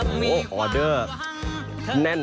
ดีใจเอ้ยดีใจจัง